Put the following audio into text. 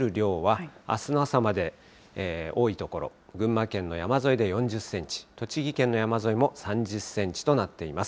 予想される雪の降る量は、あすの朝まで多い所、群馬県の山沿いで４０センチ、栃木県の山沿いも３０センチとなっています。